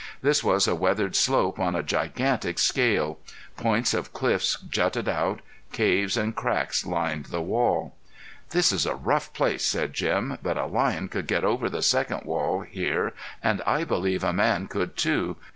This was a weathered slope on a gigantic scale. Points of cliffs jutted out; caves and cracks lined the wall. "This is a rough place," said Jim; "but a lion could get over the second wall here, an' I believe a man could too.